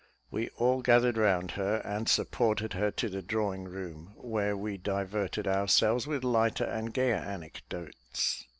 We all gathered round her, and supported her to the drawing room, where we diverted ourselves with lighter and gayer anecdotes.